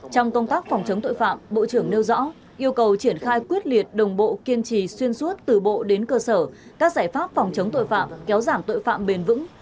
trong công tác phòng chống tội phạm bộ trưởng nêu rõ yêu cầu triển khai quyết liệt đồng bộ kiên trì xuyên suốt từ bộ đến cơ sở các giải pháp phòng chống tội phạm kéo giảm tội phạm bền vững